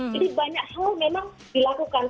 jadi banyak hal memang dilakukan